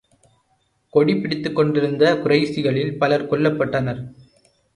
கொடி பிடித்துக் கொண்டிருந்த குறைஷிகளில் பலர் கொல்லப்பட்டனர்.